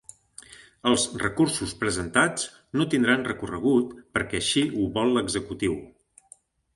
Els recursos presentats no tindran recorregut perquè així ho vol l'executiu.